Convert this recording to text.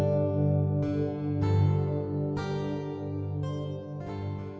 โปรดติดตามตอนต่อไป